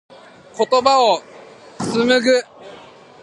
言葉を紡ぐ。